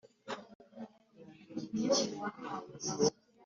perezida visi perezida umukozi ushinzwe